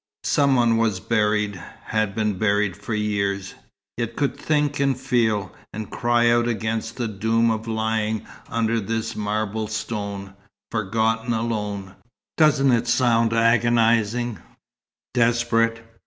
Some one was buried, had been buried for years, yet could think and feel, and cry out against the doom of lying 'under this marble stone, forgotten, alone.' Doesn't it sound agonizing desperate?